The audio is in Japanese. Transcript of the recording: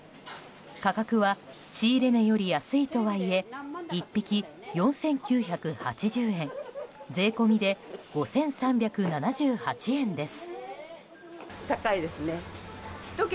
価格は仕入れ値より安いとはいえ１匹４９８０円税込みで５３７８円です。